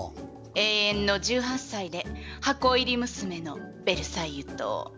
永遠の１８歳で箱入り娘のベルサイユと申します。